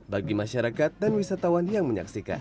bagi masyarakat dan wisatawan yang menyaksikan